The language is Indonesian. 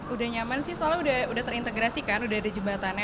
udah nyaman sih soalnya udah terintegrasi kan